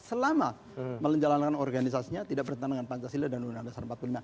selama melenjalankan organisasinya tidak bertentangan dengan pancasila dan uu seribu sembilan ratus empat puluh lima